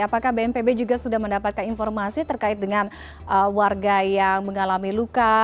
apakah bnpb juga sudah mendapatkan informasi terkait dengan warga yang mengalami luka